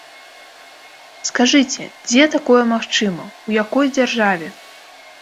Скажыце, дзе такое магчыма, у якой дзяржаве?